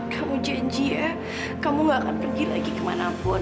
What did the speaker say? kamu janji ya kamu gak akan pergi lagi kemanapun